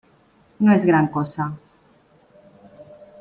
No es gran cosa"".